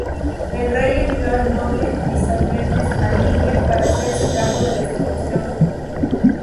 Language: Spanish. El rey envió al noble Tisafernes a Lidia para hacerse cargo de la situación.